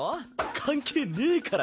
関係ねぇから。